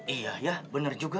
iya ya benar juga